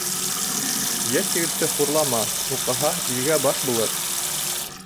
Йәш егетте хурлама: уҡыһа, илгә баш булыр.